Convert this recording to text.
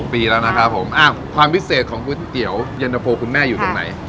ปีแล้วนะครับผมความพิเศษของก๋วยเตี๋ยวเย็นตะโฟคุณแม่อยู่ตรงไหน